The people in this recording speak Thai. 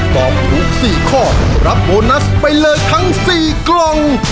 ตอบถูก๔ข้อรับโบนัสไปเลยทั้ง๔กล่อง